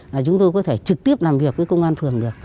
là chúng tôi có thể trực tiếp làm việc với công an phường được